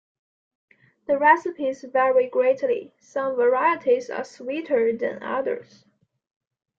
The recipes vary greatly; some varieties are sweeter than others.